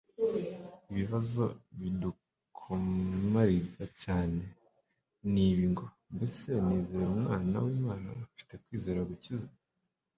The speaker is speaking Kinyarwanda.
Ibibazo bidukomariga cyane ni ibi ngo : Mbese nizera Umwana w'Imana mfite kwizera gukiza?